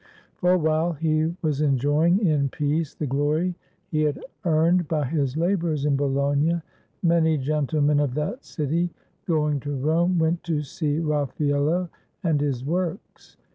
For while he was enjoying in peace the glory he had earned by his labors in Bologna, many gentlemen of that city going to Rome went to see Raffaello and his works.